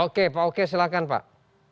oke pak oke silahkan pak